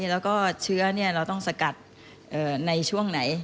แล้วก็เชื้อเราต้องสกัดในช่วงไหน